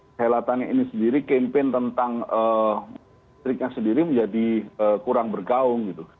perhelatannya ini sendiri campaign tentang listriknya sendiri menjadi kurang bergaung gitu